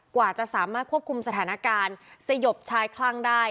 กว่าจะสามารถควบคุมสถานการณ์สยบชายคลั่งได้